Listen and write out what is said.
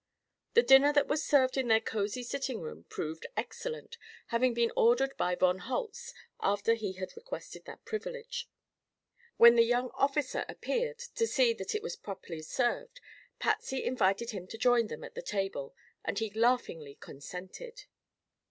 The dinner that was served in their cosy sitting room proved excellent, having been ordered by von Holtz after he had requested that privilege. When the young officer appeared to see that it was properly served, Patsy invited him to join them at the table and he laughingly consented.